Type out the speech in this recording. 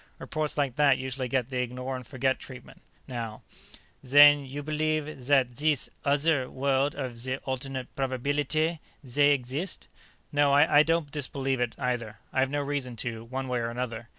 Reports like that usually get the ignore and forget treatment, now." "Zen you believe zat zeese ozzer world of zee alternate probabeelitay, zey exist?" "No. I don't disbelieve it, either. I've no reason to, one way or another."